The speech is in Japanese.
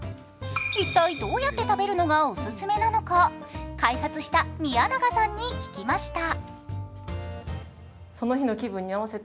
一体どうやって食べるのがオススメなのか開発した宮永さんに聞きました。